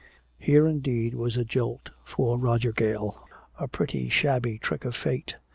Here indeed was a jolt for Roger Gale, a pretty shabby trick of fate.